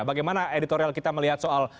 bagaimana editorial kita melihat soal